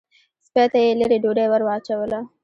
سپۍ ته یې لېرې ډوډۍ ور واچوله.